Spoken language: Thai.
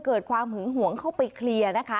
เกิดความหึงหวงเข้าไปเคลียร์นะคะ